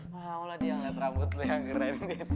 gak mau lah dia ngeliat rambut lo yang keren